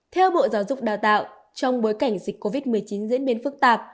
theo bộ giáo dục đào tạo trong bối cảnh dịch covid một mươi chín diễn biến phức tạp